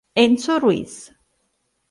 Enzo Ruiz